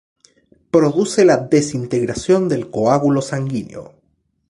Produce la desintegración del coágulo sanguíneo.